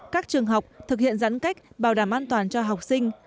các trường học thực hiện giãn cách bảo đảm an toàn cho học sinh